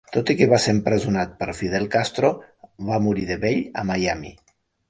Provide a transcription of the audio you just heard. Tot i que va ser empresonat per Fidel Castro, va morir de vell a Miami.